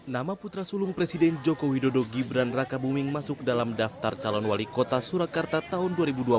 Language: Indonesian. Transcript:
nama putra sulung presiden joko widodo gibran raka buming masuk dalam daftar calon wali kota surakarta tahun dua ribu dua puluh